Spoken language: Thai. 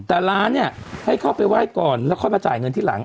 แต่ร้านเนี่ยให้เข้าไปไหว้ก่อนแล้วค่อยมาจ่ายเงินที่หลัง